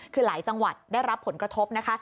คือหลายจังหวัดได้รับผลกระทบนะคะ